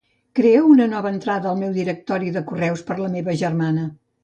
Crea una nova entrada al meu directori de correus per la meva germana.